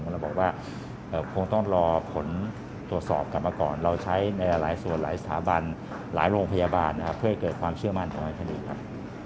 เราบอกว่าคงต้องรอผลตรวจสอบกลับมาก่อนเราใช้ในหลายส่วนหลายสถาบันหลายโรงพยาบาลนะครับเพื่อให้เกิดความเชื่อมั่นต่อในคดีครับ